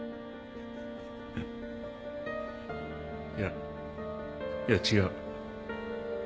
いやいや違う。